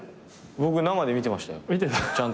僕生で見てましたよちゃんと。